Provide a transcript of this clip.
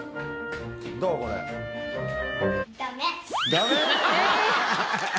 ダメ？